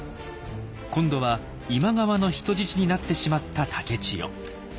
今度は今川の人質になってしまった竹千代。